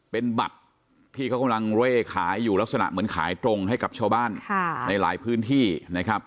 เป็นบัตรที่เขากำลังเร่ขายอยู่ลักษณะเหมือนขายตรงให้กับชาวบ้านในหลายพื้นที่นะครับ